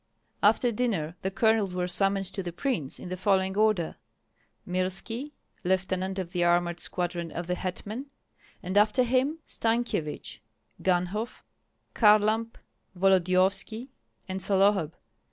After dinner the colonels were summoned to the prince in the following order: Mirski, lieutenant of the armored squadron of the hetman; and after him Stankyevich, Ganhoff, Kharlamp, Volodyovski, and Sollohub.